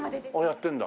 やってるんだ。